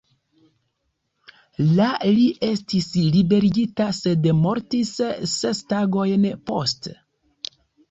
La li estis liberigita, sed mortis ses tagojn poste.